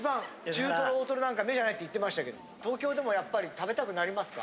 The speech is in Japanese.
中トロ大トロなんか目じゃないって言ってましたけど東京でもやっぱり食べたくなりますか？